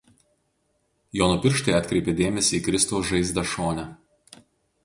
Jono pirštai atkreipia dėmesį į Kristaus žaizdą šone.